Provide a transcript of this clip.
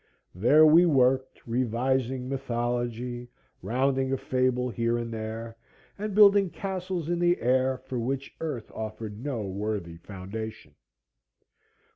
There we worked, revising mythology, rounding a fable here and there, and building castles in the air for which earth offered no worthy foundation.